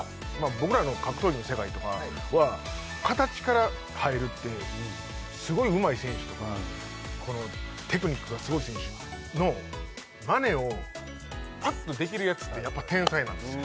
僕らの格闘技の世界とかは形から入るってすごいうまい選手とかテクニックがすごい選手のまねをパッとできるやつってやっぱ天才なんですよ